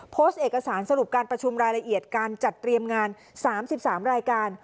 โพสต์เอกสารสรุปการประชุมรายละเอียดการจัดเตรียมงาน๓๓รายการ